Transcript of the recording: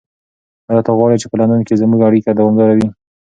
ایا ته غواړې چې په لندن کې زموږ اړیکه دوامداره وي؟